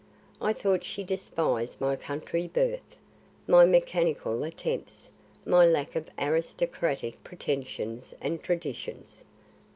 I thought she despised my country birth, my mechanical attempts, my lack of aristocratic pretensions and traditions."